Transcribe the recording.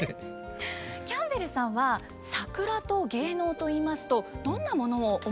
キャンベルさんは桜と芸能といいますとどんなものを思い浮かべますか？